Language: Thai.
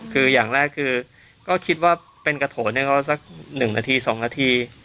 คืออย่างแรกคือก็คิดว่าเป็นกระโถนให้เขาสักหนึ่งนาทีสองนาที